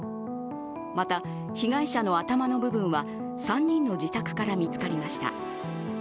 また、被害者の頭の部分は３人の自宅から見つかりました。